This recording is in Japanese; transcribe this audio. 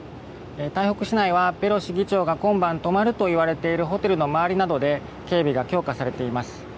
台北市内はペロシ議長が今晩泊まるといわれているホテルの周りなどで警備が強化されています。